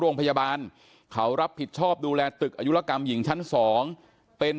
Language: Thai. โรงพยาบาลเขารับผิดชอบดูแลตึกอายุรกรรมหญิงชั้น๒เป็น